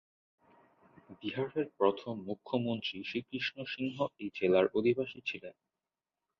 বিহারের প্রথম মুখ্যমন্ত্রী শ্রীকৃষ্ণ সিংহ এই জেলার অধিবাসী ছিলেন।